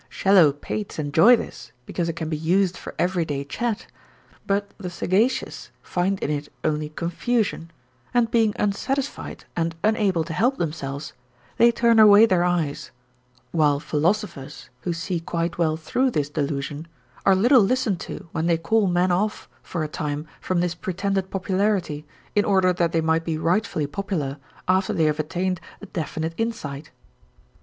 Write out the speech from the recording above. Shallow pates enjoy this because it can be used for every day chat, but the sagacious find in it only confusion, and being unsatisfied and unable to help themselves, they turn away their eyes, while philosophers, who see quite well through this delusion, are little listened to when they call men off for a time from this pretended popularity, in order that they might be rightfully popular after they have attained a definite insight.